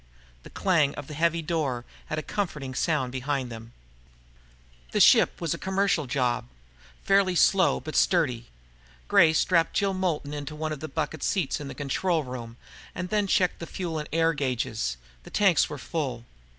The clang of the heavy door had a comforting sound behind them. The ship was a commercial job, fairly slow but sturdy. Gray strapped Jill Moulton into one of the bucket seats in the control room and then checked the fuel and air gauges. The tanks were full.